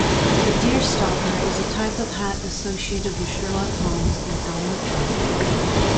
The deerstalker is a type of hat associated with Sherlock Holmes and Elmer Fudd.